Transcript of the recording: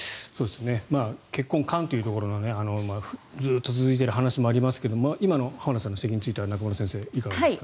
結婚観というところのずっと続いている話もありますが今の浜田さんの指摘は中室さん、いかがですか。